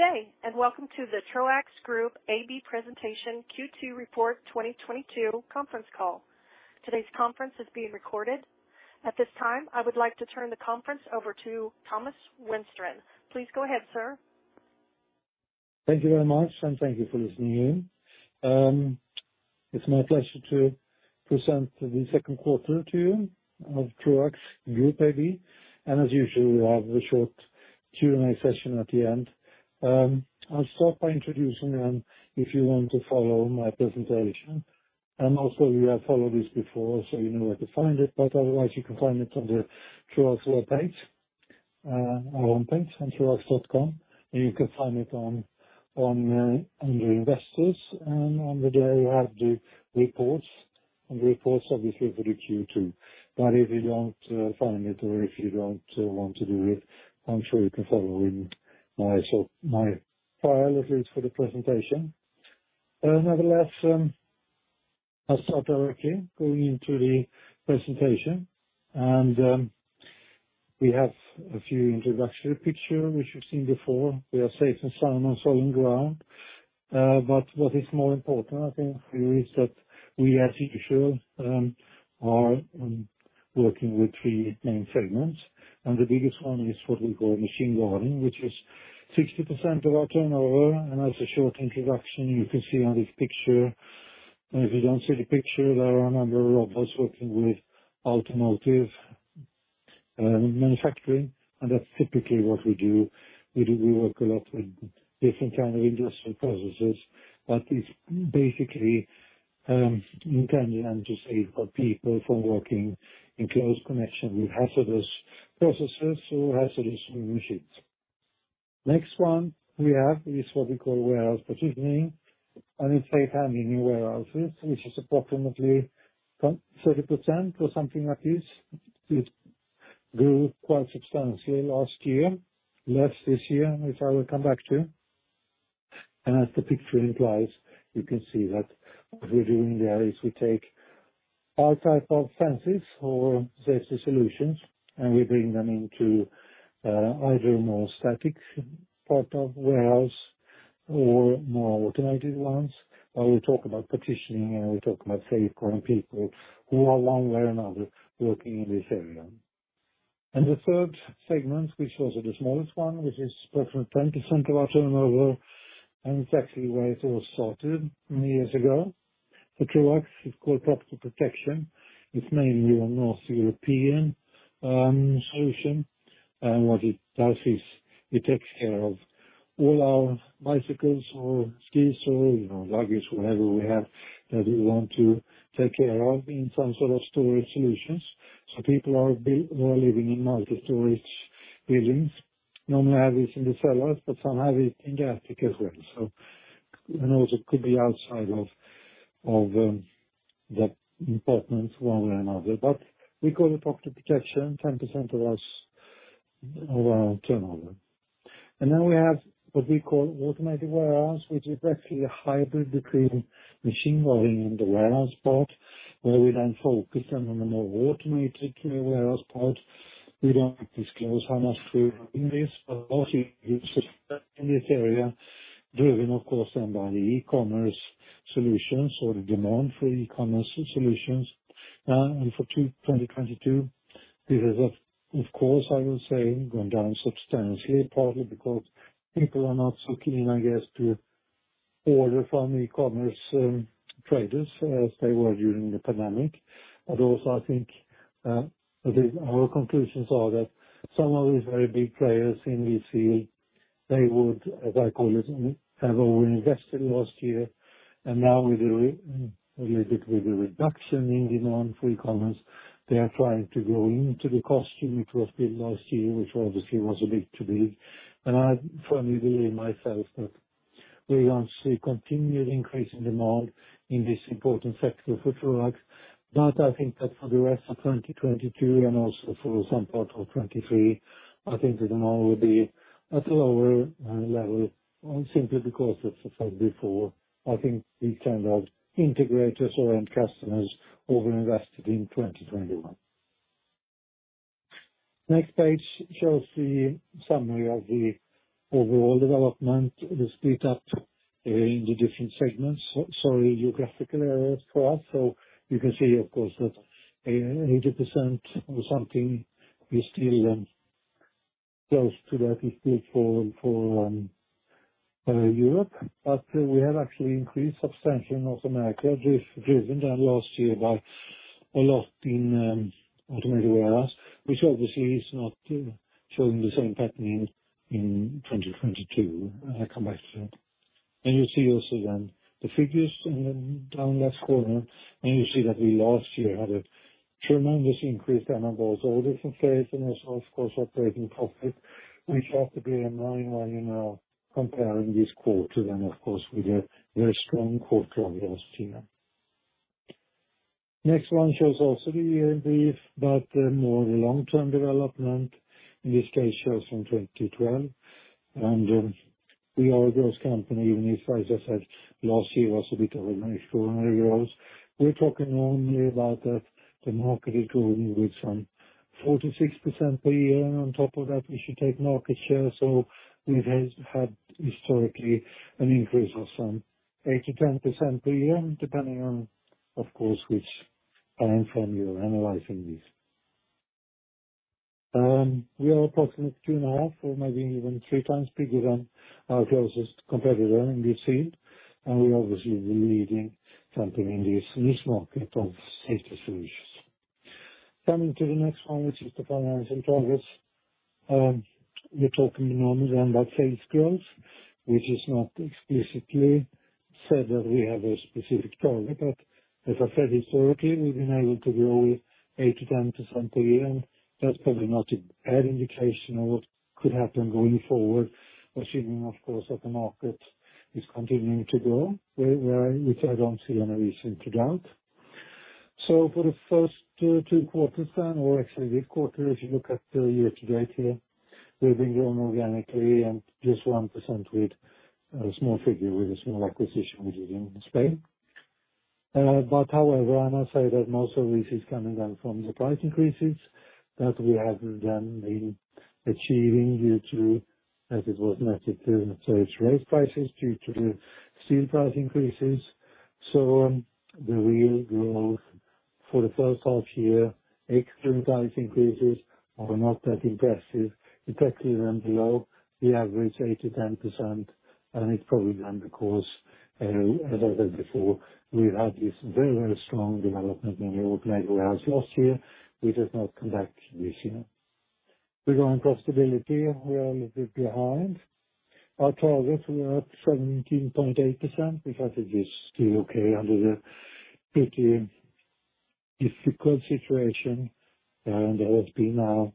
Good day, and welcome to the Troax Group AB presentation Q2 report 2022 conference call. Today's conference is being recorded. At this time, I would like to turn the conference over to Thomas Widstrand. Please go ahead, sir. Thank you very much, and thank you for listening in. It's my pleasure to present the second quarter to you of Troax Group AB. As usual, we'll have a short Q&A session at the end. I'll start by introducing them if you want to follow my presentation. You have followed this before, so you know where to find it, but otherwise, you can find it on the Troax web page, our homepage on troax.com. You can find it under Investors. On there, you have the reports, and the reports obviously for the Q2. If you don't find it or if you don't want to do it, I'm sure you can follow in my file that's for the presentation. Nevertheless, I'll start directly going into the presentation. We have a few introductory picture which you've seen before. We are safe and sound on solid ground. What is more important, I think, here is that we, as usual, are working with three main segments, and the biggest one is what we call machine guarding, which is 60% of our turnover. As a short introduction, you can see on this picture, and if you don't see the picture, there are a number of us working with automotive manufacturing, and that's typically what we do. We work a lot with different kind of industrial processes, but it's basically intended, I'm just saying, for people from working in close connection with hazardous processes or hazardous machines. Next one we have is what we call warehouse partitioning, and it's safe handling warehouses, which is approximately 30% or something like this. It grew quite substantially last year, less this year, which I will come back to. As the picture implies, you can see that what we're doing there is we take all type of fences or safety solutions, and we bring them into either more static part of warehouse or more automated ones. I will talk about partitioning, and I will talk about safeguarding people who are one way or another working in this area. The third segment, which also the smallest one, which is approximately 10% of our turnover, and it's actually where it all started many years ago. For Troax, it's called property protection. It's mainly a North European solution. What it does is it takes care of all our bicycles or skis or, you know, luggage, whatever we have that we want to take care of in some sort of storage solutions. People who are living in multi-story buildings normally have it in the cellars, but some have it in the attic as well. Also could be outside of the apartments one way or another. We call it property protection, 10% of our turnover. We have what we call automated warehouse, which is actually a hybrid between machine guarding and the warehouse part, where we then focus on the more automated warehouse part. We don't disclose how much we are in this, but what you see in this area, driven of course by the e-commerce solutions or the demand for e-commerce solutions. Now for 2022, because of course I will say going down substantially, partly because people are not so keen, I guess, to order from e-commerce traders as they were during the pandemic. Also I think our conclusions are that some of these very big players in this field, they would, as I call it, have overinvested last year. Now with the reduction in demand for e-commerce, they are trying to grow into the capacity they would have built last year, which obviously was a bit too big. I firmly believe myself that we are going to see continued increase in demand in this important sector for Troax. I think that for the rest of 2022 and also for some part of 2023, I think the demand will be at a lower level, simply because as I said before, I think these kind of integrators or end customers overinvested in 2021. Next page shows the summary of the overall development. It is split up into different segments. Geographical areas for us. You can see of course that 80% or something is still close to that for Europe. We have actually increased substantially in North America, driven last year by a lot in automated warehouse. Which obviously is not showing the same pattern in 2022. I come back to that. You see also then the figures in the bottom left corner, and you see that we last year had a tremendous increase in our orders and sales and also of course our operating profit, which have to be in mind when, you know, comparing this quarter then of course with the strong quarter we had last year. Next one shows also the year in brief, but more long-term development. In this case, shows from 2012. We are a growth company, even if, as I said, last year was a bit of an extraordinary growth. We're talking only about that the market is growing with some 46% per year. On top of that, we should take market share. We've had historically an increase of some 8%-10% per year, depending on, of course, which time frame you're analyzing this. We are approximately 2.5x or maybe even 3x bigger than our closest competitor in this niche, and we obviously the leading company in this market of safety solutions. Coming to the next one, which is the financial targets. We're talking normally then about sales growth, which is not explicitly said that we have a specific target. As I said, historically, we've been able to grow 8%-10% per year, and that's probably not a bad indication of what could happen going forward, assuming of course that the market is continuing to grow, which I don't see any reason to doubt. For the first two quarters then, or actually this quarter, if you look at the year to date here, we've been growing organically and just 1% with a small figure, with a small acquisition we did in Spain. But however, I must say that most of this is coming then from the price increases that we have then been achieving due to, as it was mentioned here, so it's raised prices due to the steel price increases. The real growth for the first half year, ex term price increases are not that impressive, effectively around below the average 8%-10%. It's probably then because, as I said before, we had this very, very strong development in the automated warehouse last year, which has not come back this year. Regarding profitability, we are a little bit behind. Our target, we are at 17.8%, which I think is still okay under the pretty difficult situation, there has been now,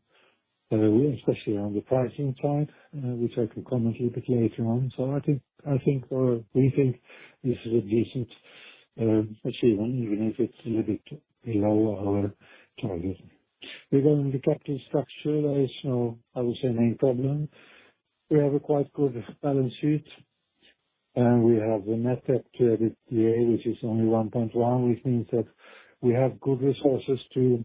especially on the pricing side, which I can comment a little bit later on. I think or we think this is a decent achievement, even if it's a little bit below our target. Regarding the capital structure, there is no, I would say, any problem. We have a quite good balance sheet, and we have a net debt to EBITDA, which is only 1.1, which means that we have good resources to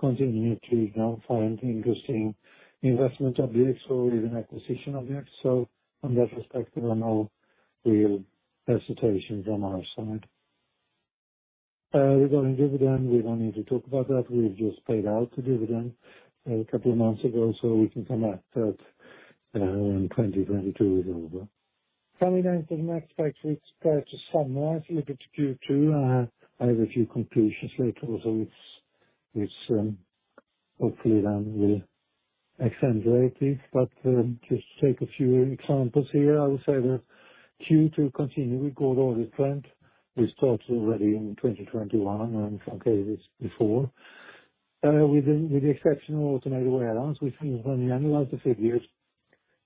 continue to now find interesting investments objects or even acquisition objects. From that perspective, there are no real hesitation from our side. Regarding dividend, we don't need to talk about that. We've just paid out the dividend a couple of months ago, so we can come back to that when 2022 is over. Coming to the next page, which is perhaps somewhat a little bit Q2. I have a few conclusions later also, which hopefully then will accentuate this. Just to take a few examples here, I would say that Q2 continued with good order trend. We started already in 2021 and some cases before. With the exception of automated warehouse, which means when you analyze the figures,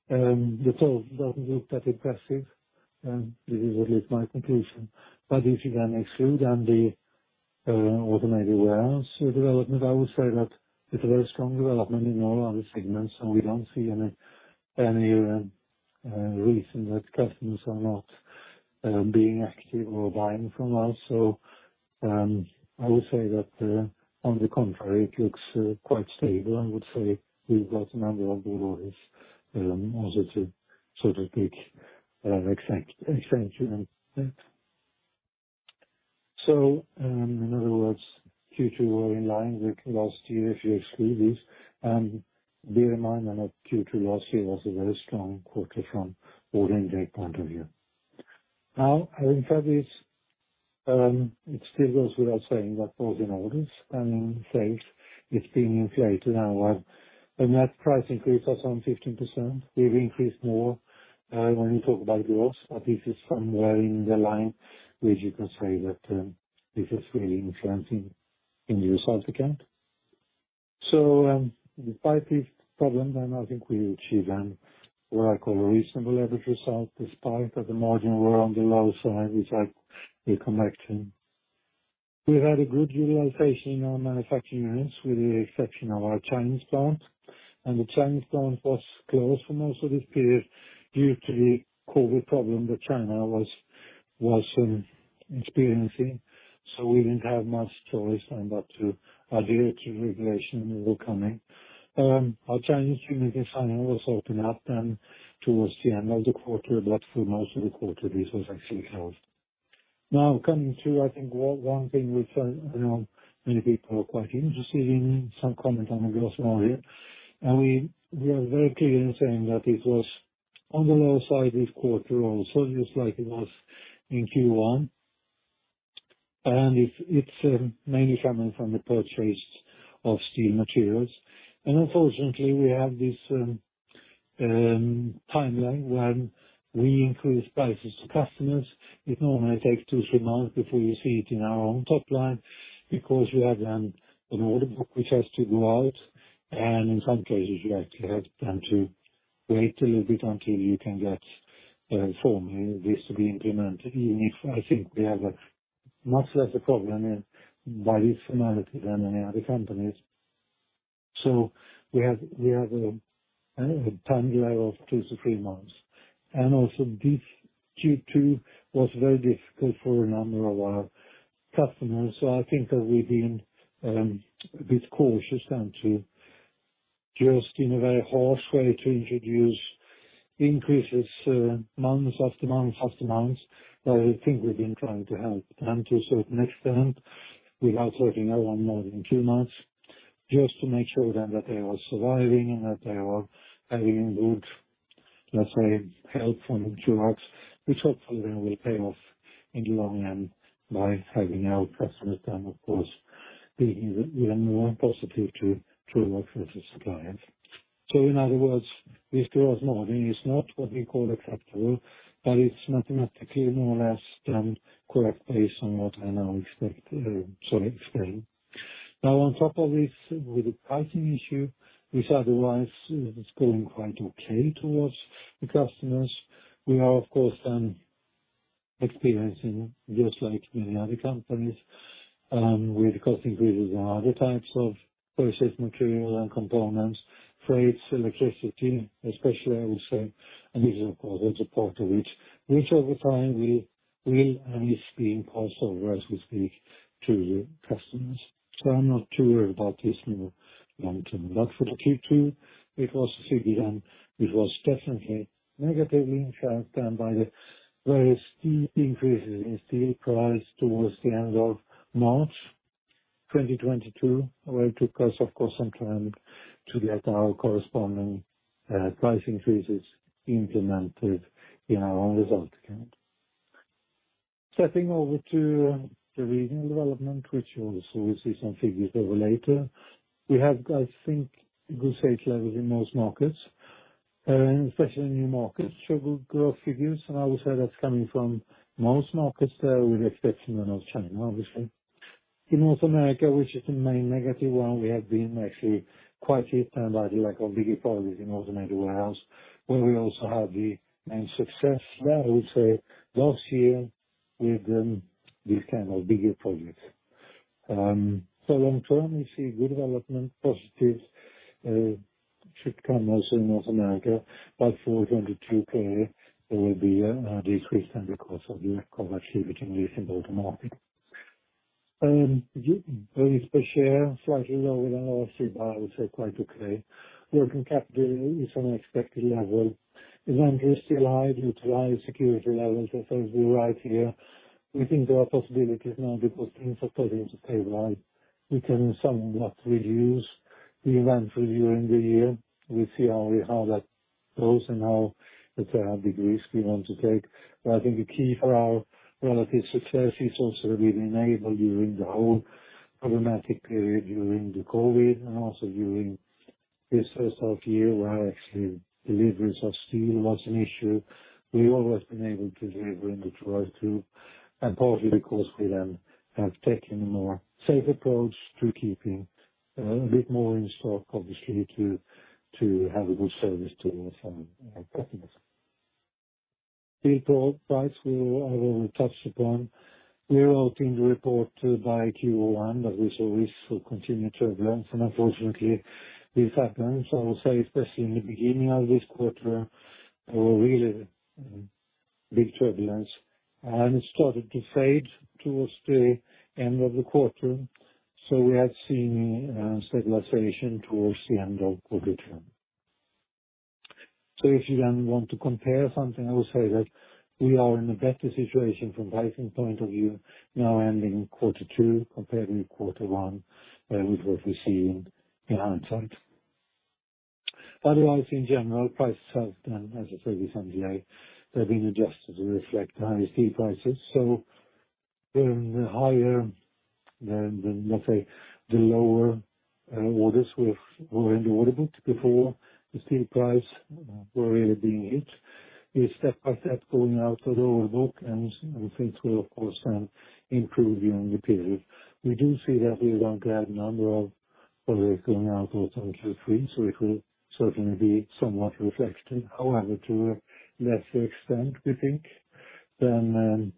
the total doesn't look that impressive. This is at least my conclusion. If you exclude the automated warehouse development, I would say that it's a very strong development in all other segments, and we don't see any reason that customers are not being active or buying from us. I would say that on the contrary, it looks quite stable. I would say we've got a number of big orders, also to sort of pique excitement. In other words, Q2 were in line with last year if you exclude this. Bear in mind that Q2 last year was a very strong quarter from ordering standpoint of view. I think that it still goes without saying that orders and sales is being inflated. Our net price increase of some 15%, we've increased more, when we talk about growth, but this is somewhere in the line, which you can say that, this is really influencing end user's account. Despite these problems, then I think we achieve a what I call a reasonable leverage result, despite that the margin were on the low side, which I will come back to. We had a good utilization in our manufacturing units, with the exception of our Chinese plant, and the Chinese plant was closed for most of this period due to the COVID problem that China was experiencing. We didn't have much choice but to adhere to the regulations that were coming. Our Chinese unit in Shanghai was opened up then towards the end of the quarter. For most of the quarter, this was actually closed. Now, coming to, I think, one thing which I know many people are quite interested in, some comment on the gross margin. We are very clear in saying that it was on the lower side this quarter also, just like it was in Q1. It's mainly coming from the purchase of steel materials. Unfortunately, we have this timeline when we increase prices to customers. It normally takes 2-3 months before you see it in our own top line because you have then an order book which has to go out, and in some cases you have to have time to wait a little bit until you can get this to be implemented, even if I think we have much less of a problem in this normality than any other companies. We have a time delay of 2-3 months. Also this Q2 was very difficult for a number of our customers. I think that we've been a bit cautious rather than just in a very harsh way to introduce increases month after month, but I think we've been trying to help them to a certain extent without passing on more than two months, just to make sure then that they are surviving and that they are having good, let's say, help from us, which hopefully then will pay off in the long run by having our customers then, of course, being even more positive to work with the suppliers. In other words, this gross margin is not what we call acceptable, but it's mathematically more or less correct based on what I now expect. Now on top of this, with the pricing issue, which otherwise is going quite okay towards the customers, we are of course experiencing just like many other companies with cost increases on other types of process, material and components, freights, electricity especially, I would say, and this is, of course, only part of it. Which over time we will and is being passed on as we speak to customers. I'm not too worried about this in the long term. For the Q2, it was 50%, and it was definitely negatively impacted by the very steep increases in steel price towards the end of March 2022, where it took us, of course, some time to get our corresponding price increases implemented in our own result account. Stepping over to the regional development, which also we'll see some figures there later. We have, I think, a good sales level in most markets, especially in new markets. Show good growth figures, and I would say that's coming from most markets there, with the exception then of China, obviously. In North America, which is the main negative one, we have been actually quite hit by the lack of bigger projects in automated warehouse, where we also had the main success there, I would say, last year with this kind of bigger projects. Long term, we see good development, positive, should come also in North America, but for 2022, there will be a decrease then because of the lack of activity within the automation market. Earnings per share, slightly lower than our CIB, I would say quite okay. Working capital is on an expected level. Inventory still high, utilize service levels as we are right here. We think there are possibilities now because things are starting to stabilize. We can in some way reduce the inventory during the year. We see how we have that close and how the risk we want to take. I think the key for our relative success is also we have enabled during the whole problematic period during COVID and also during this first half year where actually deliveries of steel was an issue. We have always been able to deliver, and partly because we then have taken a more safer approach to keeping a bit more in stock, obviously, to have a good service to our customers. The price will have already touched upon. We were all set to report by Q1 that we saw risk for continued turbulence and unfortunately this happened. I will say especially in the beginning of this quarter, there were really big turbulence. It started to fade towards the end of the quarter. We have seen stabilization towards the end of quarter. If you then want to compare something, I would say that we are in a better situation from pricing point of view now ending quarter two compared with quarter one, with what we see in our side. Otherwise, in general, prices have done, as I said with M&A, they've been adjusted to reflect the higher steel prices. The higher than the lower orders that were in the order book before the steel prices were really being hit are step by step going out of the order book, and we think it will of course then improve during the period. We do see that we won't have number of orders going out in 2023, so it will certainly be somewhat reflected. However, to a lesser extent, we think, than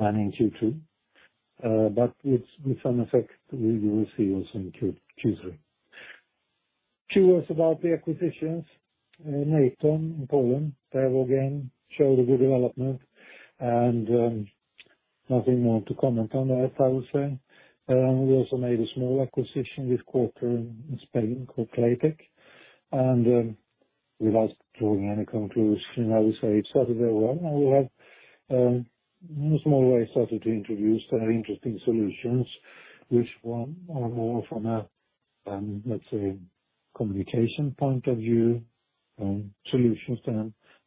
planned in Q2. But with some effect, we will see also in Q3. This is about the acquisitions, Natom in Poland. There again show the good development and nothing more to comment on that I would say. We also made a small acquisition, Claitec, in Spain. Without drawing any conclusion, I would say it started very well, and we have in a small way started to introduce very interesting solutions which were more from a let's say communication point of view solutions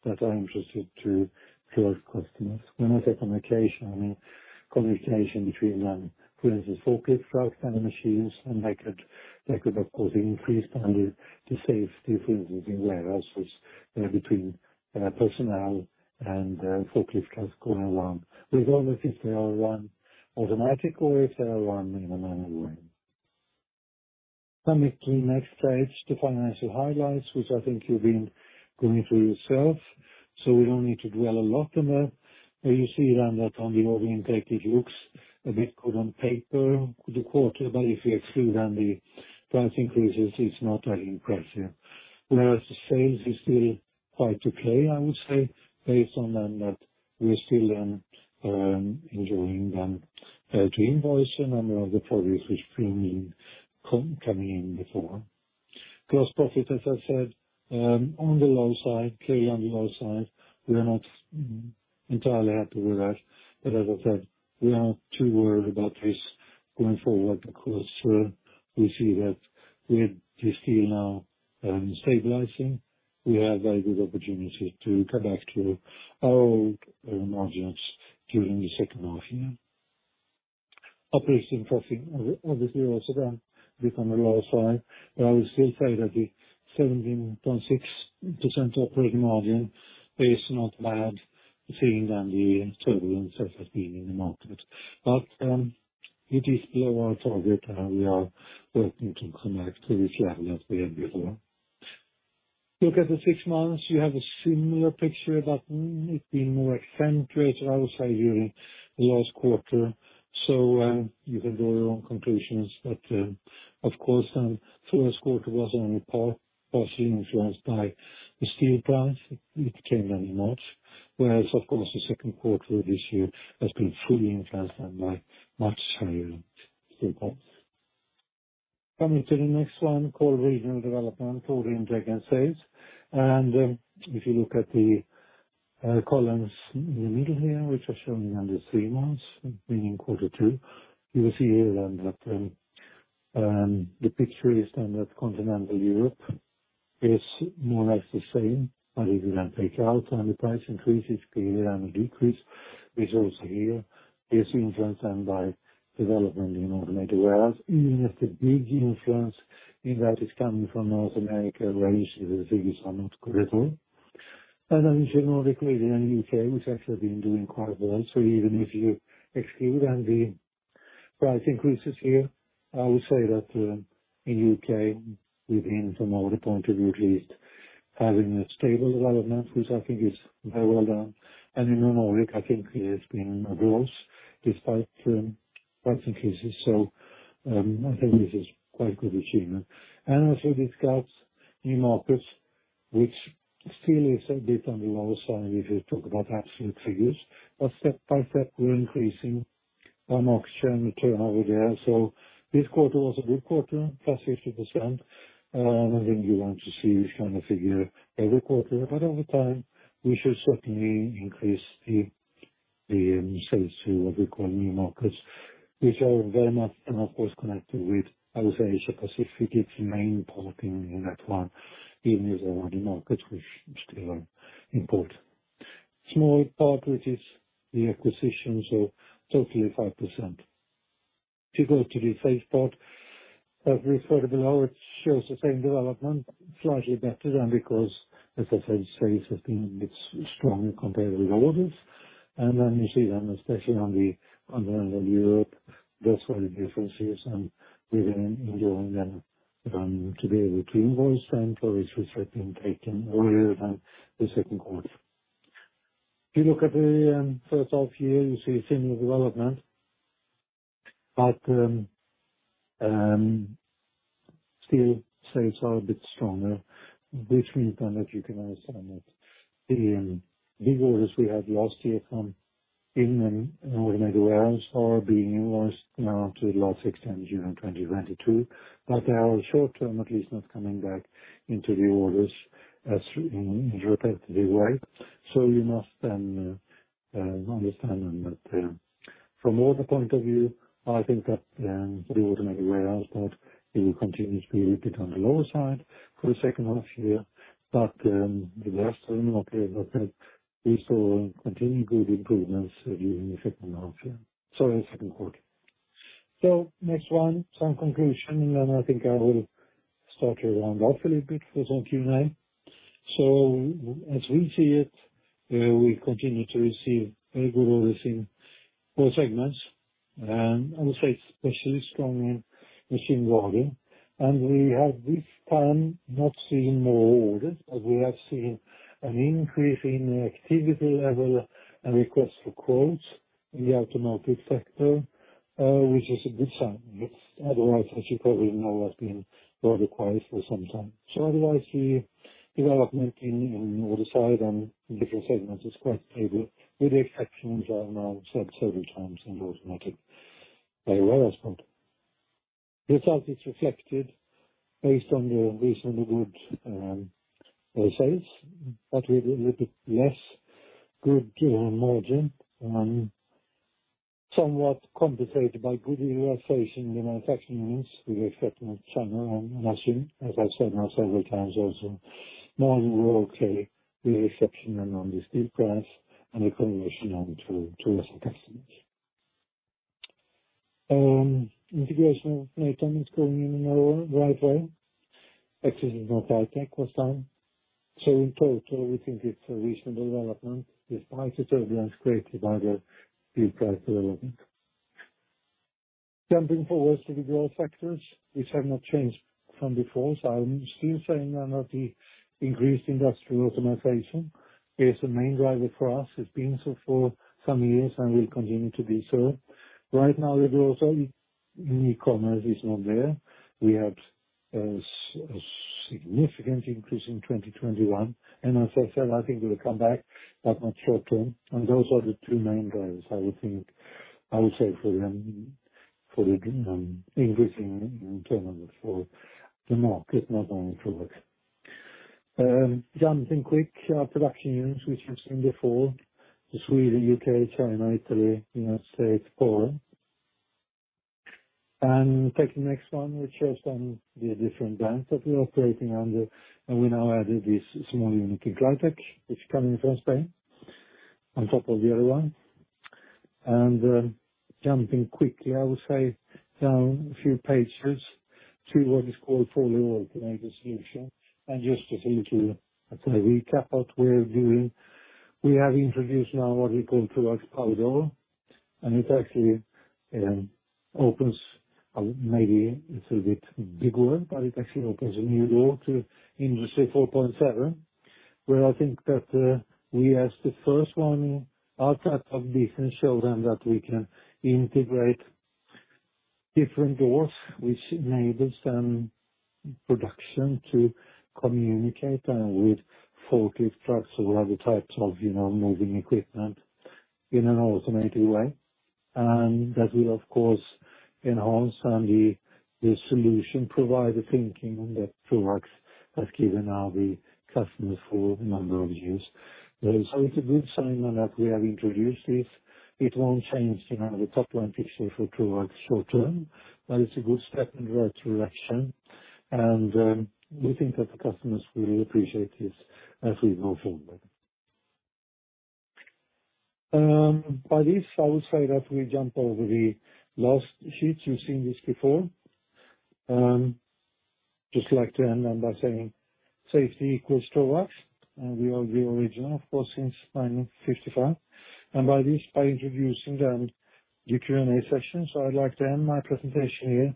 that are interesting to our customers. When I say communication, I mean communication between AGVs and the machines, and they could of course increase the safety distances in warehouses between personnel and forklift trucks going along. There's always SLR1 automatic or SLR1 in a manual way. Coming to the next page, the financial highlights, which I think you've been going through yourself, so we don't need to dwell a lot on that. You see then that on the order intake, it looks a bit good on paper for the quarter, but if you exclude then the price increases, it's not that impressive. Whereas the sales is still hard to say, I would say, based on that we're still continuing to invoice a number of the projects which came in before. Gross profit, as I said, on the low side. Clearly on the low side. We're not entirely happy with that. As I said, we are not too worried about this going forward because we see that we're still stabilizing now. We have very good opportunity to come back to our old margins during the second half year. Operating profit obviously also been a bit on the lower side, but I would still say that the 17.6% operating margin is not bad, seeing then the turbulence that has been in the market. It is below our target, and we are working to come back to this level that we had before. Look at the six months, you have a similar picture, but it being more accentuated, I would say, during the last quarter. You can draw your own conclusions. Of course, first quarter was only partially influenced by the steel price. It came then in March. Whereas of course, the second quarter of this year has been fully influenced then by much higher steel price. Coming to the next one, called regional development, order intake and sales. If you look at the columns in the middle here, which are showing under three months, meaning quarter two, you will see here then that the picture is then that Continental Europe is more or less the same, but if you then take out then the price increases, clearly then a decrease is also here, is influenced then by development in automated warehouse, even if the big influence in that is coming from North America, where you see the figures are not critical. In Germanic region and U.K., which actually have been doing quite well. Even if you exclude then the price increases here, I would say that in U.K., within from our point of view at least, having a stable development, which I think is very well done. In the Nordic, I think it has been a growth despite price increases. I think this is quite a good achievement. Also discuss new markets, which still is a bit on the lower side if you talk about absolute figures. Step by step, we're increasing our market share and the turnover there. This quarter was a good quarter, plus 50%. I don't think you want to see this kind of figure every quarter, but over time we should certainly increase the sales to what we call new markets, which are very much and of course connected with other Asia Pacific, it's main part in that one, even as other markets which still are important. Small part, which is the acquisitions are totally 5%. If you go to the sales part, as we said below, it shows the same development, slightly better than because as I said, sales have been a bit stronger compared with the orders. Then you see especially on the Continental Europe, that's where the difference is, and we've been enjoying them to be able to invoice them for this, which have been taken earlier than the second quarter. If you look at the first half year, you see similar development, but still sales are a bit stronger, which means then that you can understand that the big orders we have last year from England and automated warehouse are being invoiced now to a large extent during 2022. Our short-term, at least not coming back into the orders as in relatively way. You must then understand that, from order point of view, I think that the automated warehouse part will continue to be a bit on the lower side for the second half year. The rest then okay. We saw continued good improvements during the second quarter. Next one, some conclusion. I think I will start to round off a little bit for some Q&A. As we see it, we continue to receive very good orders in all segments. I would say especially strong in machine guarding. We have this time not seen more orders, but we have seen an increase in activity level and request for quotes in the automotive sector, which is a good sign. It's otherwise, as you probably know, has been rather quiet for some time. Otherwise, the development in order side and in different segments is quite favorable with the exception that I now have said several times in the automatic warehouse part. Results reflected based on the reasonably good sales, but with a little bit less good margin, somewhat compensated by good utilization in the manufacturing units with the exception of China and machine, as I've said now several times also. Now we're okay with the exception of the steel price and the passing on to our customers. Integration of Natom is going in the right way as is not high tech this time. In total, we think it's a reasonable development despite the turbulence created by the price development. Jumping forward to the growth factors, which have not changed from before. I'm still saying one of the increases in industrial automation is the main driver for us. It's been so for some years and will continue to be so. Right now, the growth of e-commerce is not there. We had a significant increase in 2021 and as I said, I think it will come back, but not short term. Those are the two main drivers I would think, I would say for the increasing in terms of for the market, not only for us. Jumping quick, our production units, which you've seen before, Sweden, U.K., China, Italy, United States, four. Take the next one, which shows then the different brands that we're operating under. We now added this small unit in Claitec, which come in first day on top of the other one. Jumping quickly, I would say down a few pages to what is called fully automated solution. Just as a little, sort of recap of what we're doing. We have introduced now what we call Troax Power Door, and it actually opens maybe it's a bit big word, but it actually opens a new door to Industry 4.0, where I think that we as the first one outside of different silos that we can integrate different doors, which enables production to communicate with forklift trucks or other types of, you know, moving equipment in an automated way. That will of course enhance the solution provider thinking that Troax has given now the customers for a number of years. It's a good sign now that we have introduced this. It won't change, you know, the top line picture for Troax short term, but it's a good step in the right direction. We think that the customers will appreciate this as we go forward. By this I would say that we jump over the last sheets. You've seen this before. Just like to end then by saying safety equals Troax. We are the original, of course, since 1955. By this, by introducing the Q&A session. I'd like to end my presentation here.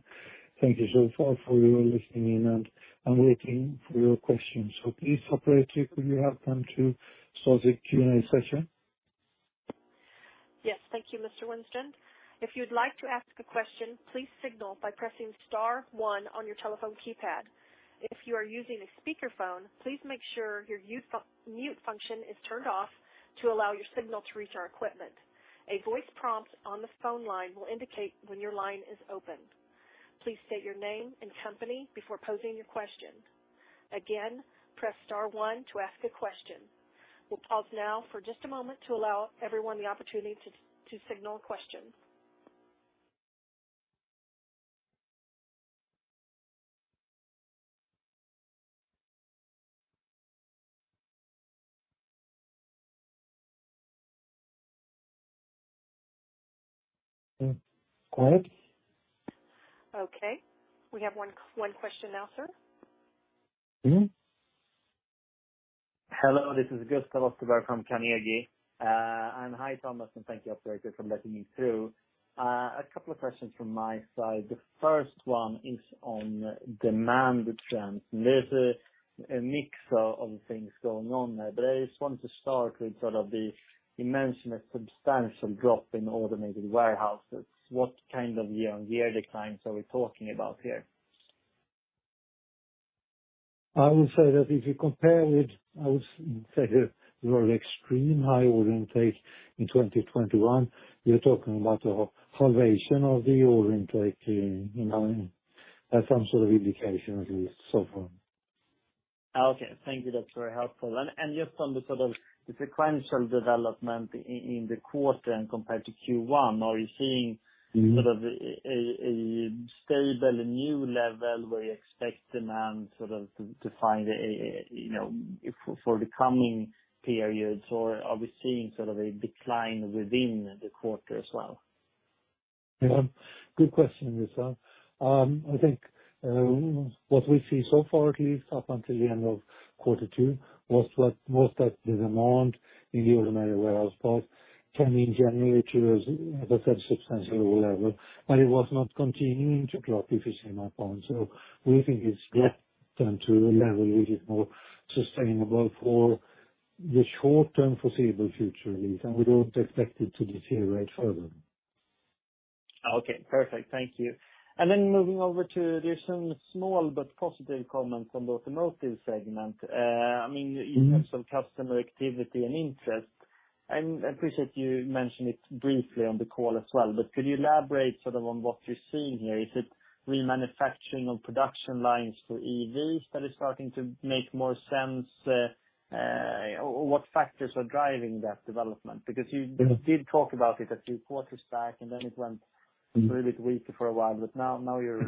Thank you so far for your listening in and I'm waiting for your questions. Please, operator, could you help them to start the Q&A session? Yes. Thank you, Mr. Widstrand. If you'd like to ask a question, please signal by pressing star one on your telephone keypad. If you are using a speakerphone, please make sure your mute function is turned off to allow your signal to reach our equipment. A voice prompt on the phone line will indicate when your line is open. Please state your name and company before posing your question. Again, press star one to ask a question. We'll pause now for just a moment to allow everyone the opportunity to signal a question. All right. Okay, we have one question now, sir. Mm-hmm. Hello, this is Gustav Österberg from Carnegie. Hi, Thomas, and thank you, operator, for letting me through. A couple of questions from my side. The first one is on demand trends, and there's a mix of things going on there, but I just want to start with sort of the immense and a substantial drop in automated warehouses. What kind of year-over-year declines are we talking about here? I would say that if you compare with I would say a very extreme high order intake in 2021, you're talking about a halving of the order intake, you know, as some sort of indication, at least so far. Okay. Thank you. That's very helpful. Just on the sort of the sequential development in the quarter and compared to Q1, are you seeing? Mm-hmm. Sort of a stable new level where you expect demand sort of to find a you know for the coming periods, or are we seeing sort of a decline within the quarter as well? Yeah. Good question, Gustav. I think what we see so far, at least up until the end of quarter two, was what most of the demand in the automated warehouse part came in January to a, as I said, substantial level, but it was not continuing to drop if you see my point. We think it's flat down to a level which is more sustainable for the short term foreseeable future at least, and we don't expect it to deteriorate further. Okay. Perfect. Thank you. Then moving over to there's some small but positive comments on the automotive segment. I mean- Mm-hmm. -in terms of customer activity and interest, and I appreciate you mentioning it briefly on the call as well, but could you elaborate sort of on what you're seeing here? Is it remanufacturing of production lines for EVs that is starting to make more sense? or what factors are driving that development? Because you- Mm-hmm. Did talk about it a few quarters back, and then it went. Mm-hmm. A little bit weaker for a while, but now you're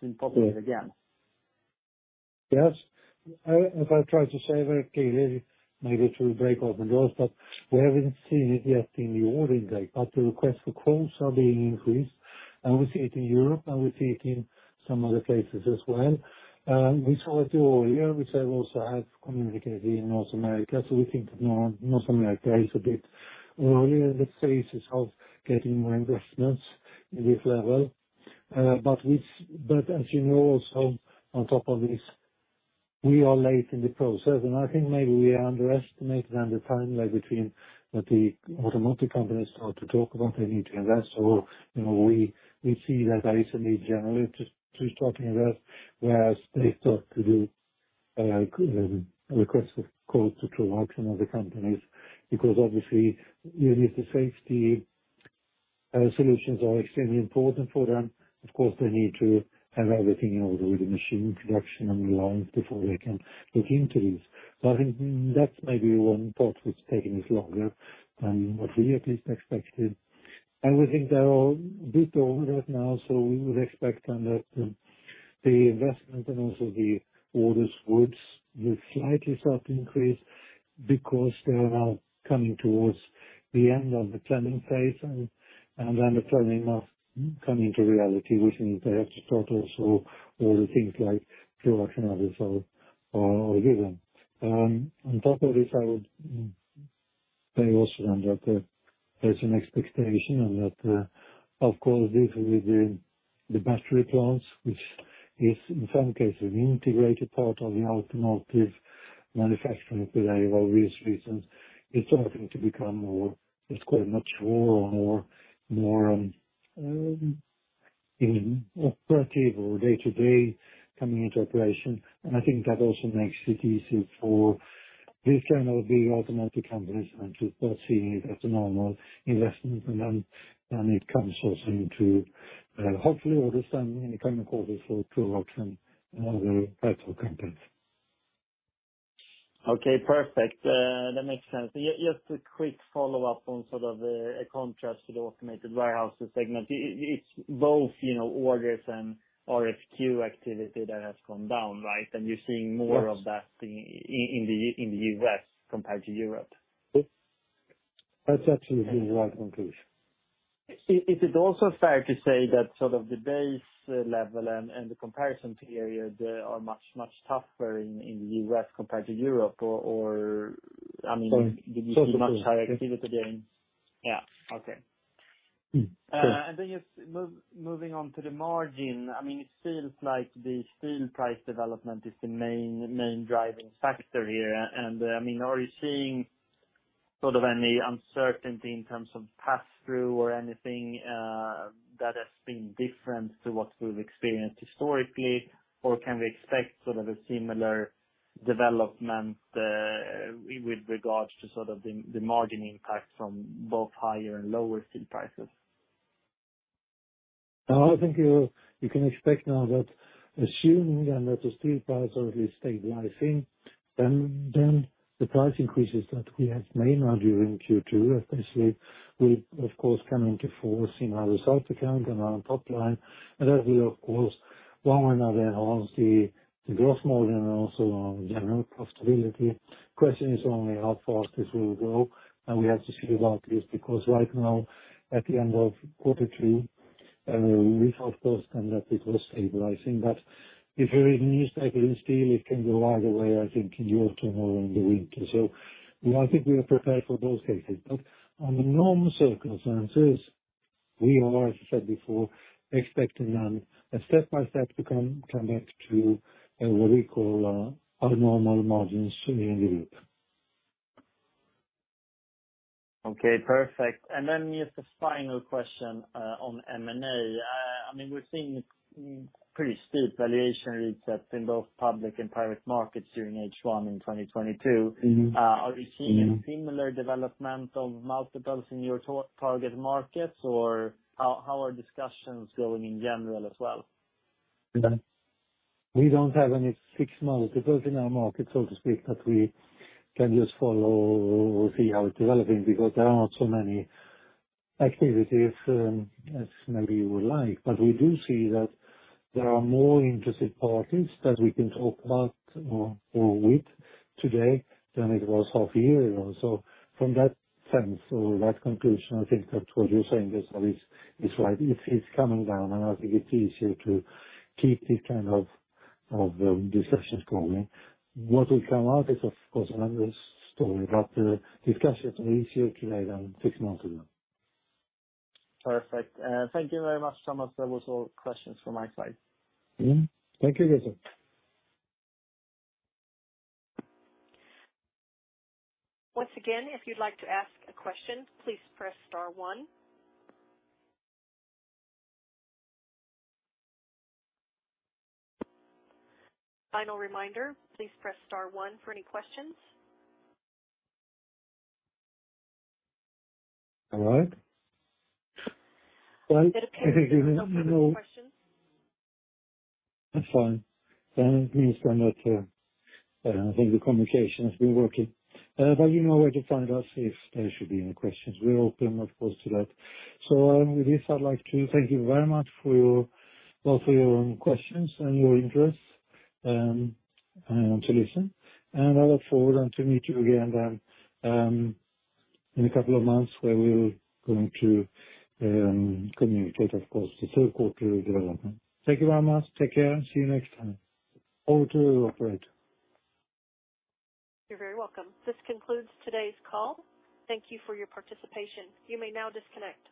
seeing positive again. As I tried to say very clearly, maybe it will break open doors, but we haven't seen it yet in the ordering date. The request for quotes are being increased, and we see it in Europe, and we see it in some other places as well. We saw it earlier, which I've also have communicated in North America. We think North America is a bit earlier in the phases of getting more investments in this level. As you know also on top of this, we are late in the process. I think maybe we are underestimated on the timeline between what the automotive companies start to talk about they need to invest. You know, we see that recently generally just talking about where they start to do requests for quotes to production of the companies, because obviously you need the safety solutions are extremely important for them. Of course, they need to have everything in order with the machine production and the lines before they can look into this. I think that's maybe one part which is taking us longer than what we at least expected. We think they are a bit over right now, so we would expect then that the investment and also the orders will slightly start to increase because they are now coming towards the end of the planning phase and then the planning coming to reality, which means they have to start also all the things like production. On top of this, I would say also then that there's an expectation and that, of course this with the battery plants, which is in some cases an integrated part of the automotive manufacturing today for obvious reasons, it's starting to become more, let's call it much more in operative or day-to-day coming into operation. I think that also makes it easy for this channel, the automotive companies and to first see it as a normal investment. It comes also into, hopefully orders then in the coming quarters for production and other types of companies. Okay, perfect. That makes sense. Just a quick follow-up on sort of the, a contrast to the automated warehouses segment. It's both, you know, orders and RFQ activity that has gone down, right? You're seeing more- Yes. of that in the U.S. compared to Europe. That's actually the right conclusion. Is it also fair to say that sort of the base level and the comparison period are much, much tougher in the U.S. compared to Europe? Or, I mean. Sorry. Did you see much higher activity there? Yeah. Okay. Sure. Moving on to the margin. I mean, it seems like the steel price development is the main driving factor here. I mean, are you seeing sort of any uncertainty in terms of pass through or anything, that has been different to what we've experienced historically? Or can we expect sort of a similar development, with regards to sort of the margin impact from both higher and lower steel prices? I think you can expect now that assuming then that the steel prices are at least stabilizing, then the price increases that we have made now during Q2 essentially will of course come into force in our results account and our top line. That will of course one way or another enhance the gross margin and also our general profitability. Question is only how fast this will go, and we have to see about this because right now at the end of quarter three, we of course can see that it was stabilizing. If there is a new cycle in steel, it can go either way, I think in Europe more in the winter. I think we are prepared for both cases. On the normal circumstances, we are, as I said before, expecting then a step-by-step to come back to what we call our normal margins in the group. Okay, perfect. Just a final question on M&A. I mean, we're seeing pretty steep valuation resets in both public and private markets during H1 in 2022. Mm-hmm. Are you seeing a similar development of multiples in your target markets? Or how are discussions going in general as well? We don't have any fixed multiples in our market, so to speak, that we can just follow or see how it's developing because there are not so many activities as maybe you would like. We do see that there are more interested parties that we can talk about or with today than it was half a year ago. From that sense or that conclusion, I think that what you're saying, Gustav Österberg, is right. It's calming down, and I think it's easier to keep these kind of discussions going. What will come out is of course another story, but discussions are easier today than six months ago. Perfect. Thank you very much, Thomas. That was all questions from my side. Mm-hmm. Thank you, Gustav Östberg. Once again, if you'd like to ask a question, please press star one. Final reminder, please press star one for any questions. All right. It appears there are no further questions. That's fine. It means that I think the communication has been working. You know where to find us if there should be any questions. We're open, of course, to that. With this, I'd like to thank you very much for your both for your questions and your interest to listen. I look forward then to meet you again then in a couple of months where we'll going to communicate of course the third quarter development. Thank you very much. Take care. See you next time. Over to you, operator. You're very welcome. This concludes today's call. Thank you for your participation. You may now disconnect.